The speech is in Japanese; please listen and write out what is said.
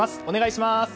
お願いします。